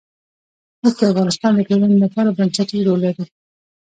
اوښ د افغانستان د ټولنې لپاره بنسټيز رول لري.